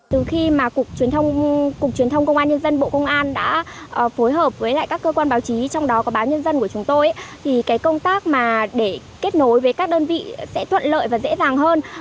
từ khi mà cục truyền thông công an nhân dân bộ công an đã phối hợp với các cơ quan báo chí trong đó có báo nhân dân của chúng tôi thì cái công tác để kết nối với các đơn vị sẽ thuận lợi và dễ dàng hơn